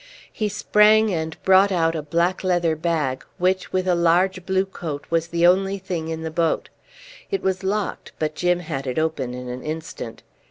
He sprang and brought out a black leather bag, which with a large blue coat was the only thing in the boat. It was locked, but Jim had it open in an instant.